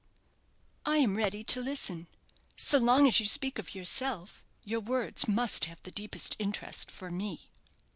"I am ready to listen. So long as you speak of yourself, your words must have the deepest interest for me."